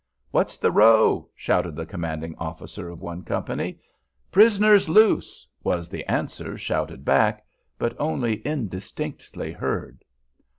"What's the row?" shouted the commanding officer of one company. "Prisoners loose," was the answer shouted back, but only indistinctly heard.